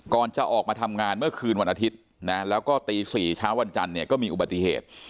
จะออกมาทำงานเมื่อคืนวันอาทิตย์นะแล้วก็ตี๔เช้าวันจันทร์เนี่ยก็มีอุบัติเหตุ